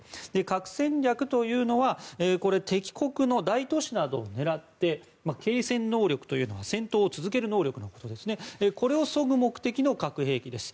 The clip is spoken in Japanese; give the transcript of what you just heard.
核戦略というのは敵国の大都市などを狙って継戦能力というのは戦闘を続ける能力ですがこれをそぐ目的の核兵器です。